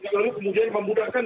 lalu kemudian memudahkan